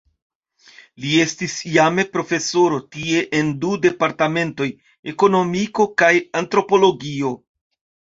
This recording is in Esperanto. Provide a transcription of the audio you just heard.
Li estis iame profesoro tie en du departementoj, Ekonomiko kaj Antropologio.